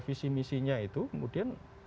visi misinya itu kemudian